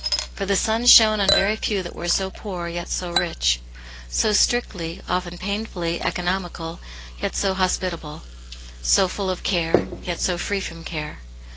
For the $iin shone on very few that were so poor, yet so rich 4 so strictly, often painfully, economical, yet so hos* pitable ; s^ full of care, yet so free from care.